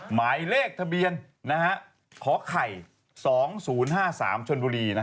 หมายเลขทะเบียนขอไข่๒๐๕๓ชนบุรี